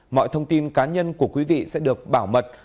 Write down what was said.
mọi thông tin cá nhân của quý vị sẽ được bảo mật